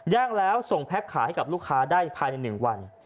ย่างแล้วส่งแพ็คขายให้กับลูกค้าได้ภายใน๑วัน